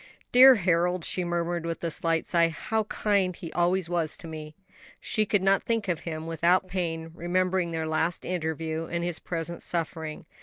"Dear Harold!" she murmured, with a slight sigh, "how kind he always was to me." She could not think of him without pain, remembering their last interview and his present suffering.